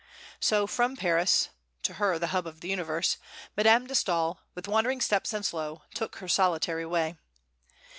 So from Paris to her the "hub of the universe" Madame de Staël, "with wandering steps and slow, took her solitary way."